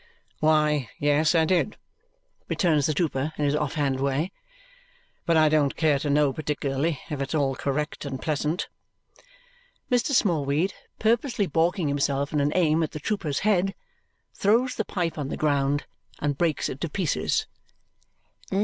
"Why, yes, I did," returns the trooper in his off hand way, "but I don't care to know particularly, if it's all correct and pleasant." Mr. Smallweed, purposely balking himself in an aim at the trooper's head, throws the pipe on the ground and breaks it to pieces.